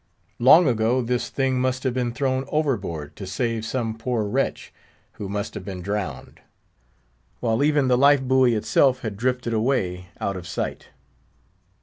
Long ago, this thing must have been thrown over board to save some poor wretch, who must have been drowned; while even the life buoy itself had drifted away out of sight.